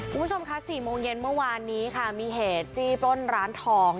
คุณผู้ชมค่ะ๔โมงเย็นเมื่อวานนี้ค่ะมีเหตุจี้ปล้นร้านทอง